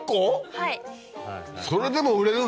はい。